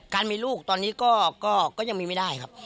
มีลูกตอนนี้ก็ยังมีไม่ได้ครับ